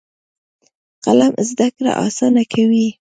قلم زده کړه اسانه کوي.